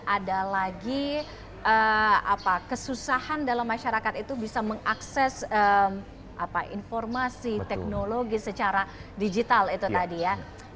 ada lagi kesusahan dalam masyarakat itu bisa mengakses informasi teknologi secara digital itu tadi ya